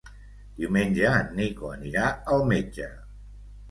Diumenge en Nico anirà al metge.